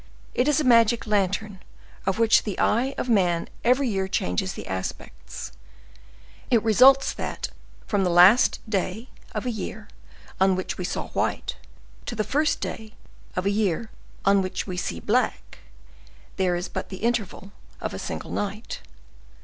It is a magic lantern, of which the eye of man every year changes the aspects. It results that from the last day of a year on which we saw white, to the first day of the year on which we shall see black, there is the interval of but a single night.